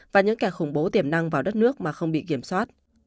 và những kẻ khủng bố tiềm năng vào đất nước mà không bị kiểm soát